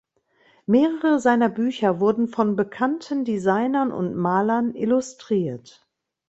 Mehrere seiner Bücher wurden von bekannten Designern und Malern illustriert.